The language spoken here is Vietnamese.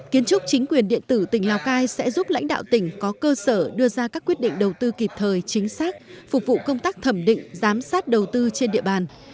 kiến trúc chính quyền điện tử tỉnh lào cai sẽ giúp lãnh đạo tỉnh có cơ sở đưa ra các quyết định đầu tư kịp thời chính xác phục vụ công tác thẩm định giám sát đầu tư trên địa bàn